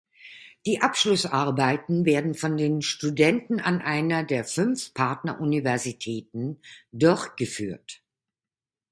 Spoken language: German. Die Abschlussarbeiten werden von den Studenten an einer der fünf Partneruniversitäten durchgeführt.